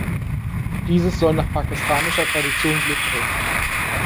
Dieses soll nach pakistanischer Tradition Glück bringen.